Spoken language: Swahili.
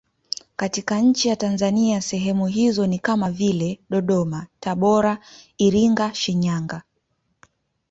Katika nchi ya Tanzania sehemu hizo ni kama vile Dodoma, Tabora, Iringa, Shinyanga.